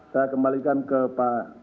saya kembalikan ke pak